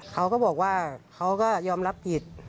เขาก็บอกว่าเขาก็ยอมรับผิด